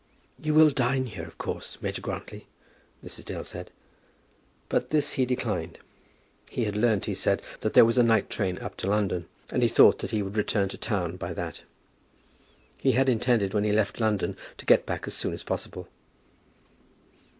"You will dine here, of course, Major Grantly," Mrs. Dale said. But this he declined. He had learned, he said, that there was a night train up to London, and he thought that he would return to town by that. He had intended, when he left London, to get back as soon as possible.